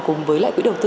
cùng với lại quỹ đầu tư